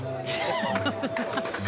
ハハハハ。